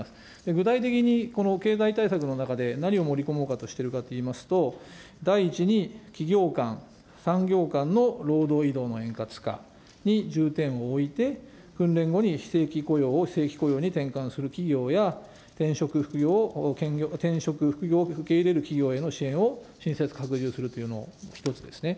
具体的に、この経済対策の中で何を盛り込もうかとしているかといいますと、第１に、企業間、産業間の労働移動の円滑化に重点を置いて、後に非正規雇用に転換する企業や、転職、副業を受け入れる企業を拡充するというのが１つですね。